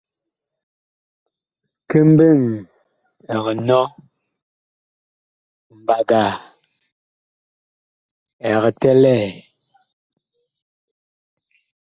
Ki mbeŋ ɛg nɔ, mbaga ɛg.